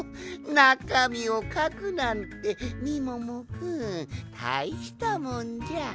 なかみをかくなんてみももくんたいしたもんじゃ。